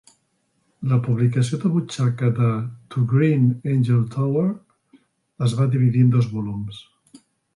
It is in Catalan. La publicació de butxaca de "To Green Angel Tower" es va dividir en dos volums.